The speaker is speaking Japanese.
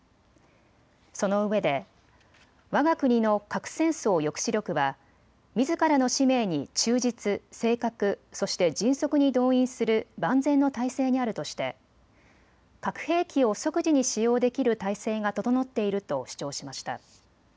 そのうえでわが国の核戦争抑止力はみずからの使命に忠実、正確、そして迅速に動員する万全の態勢にあるとして核兵器を即時に使用できる態勢が整っていると主張しました。